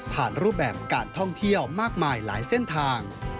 รูปแบบการท่องเที่ยวมากมายหลายเส้นทาง